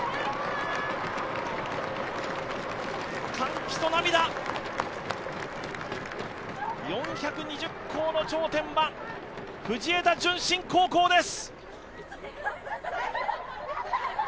歓喜と涙、４２０校の頂点は藤枝順心高校です。